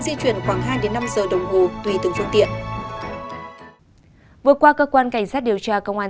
di chuyển khoảng hai năm giờ đồng hồ tùy từng phương tiện vừa qua cơ quan cảnh sát điều tra công an